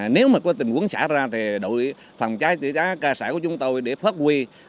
nếu mà có tình huống xả ra thì đội phòng cháy chữa cháy cơ sở của chúng tôi để phát huy